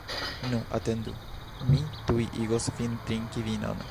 Nu, atendu, mi tuj igos vin trinki vinon!